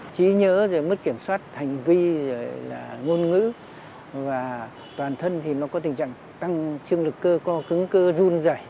chỉ nhớ rồi mức kiểm soát hành vi rồi là ngôn ngữ và toàn thân thì nó có tình trạng tăng chương lực cơ co cứng cơ run dày